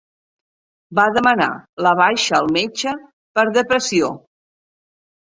Va demanar la baixa al metge per depressió